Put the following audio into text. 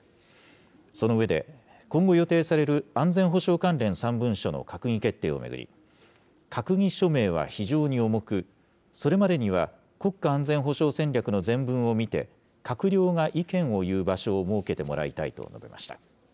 その上で、今後予定される安全保障関連３文書の閣議決定を巡り、閣議署名は非常に重く、それまでには国家安全保障戦略の全文を見て、閣僚が意見を言う場所を設けてもらいたいと述べました。